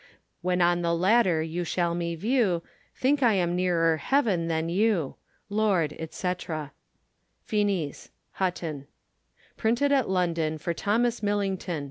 When on the ladder you shall me view, Thinke I am neerer heaven then you. Lord, &c. Finis. Hutton. Printed at London for Thomas Millington. 1598.